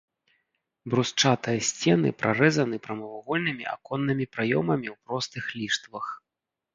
Брусчатыя сцены прарэзаны прамавугольнымі аконнымі праёмамі ў простых ліштвах.